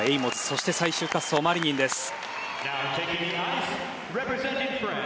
そして最終滑走マリニンです。